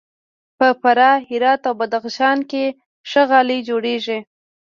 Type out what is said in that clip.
په فراه، هرات او بدخشان کې ښه غالۍ جوړیږي.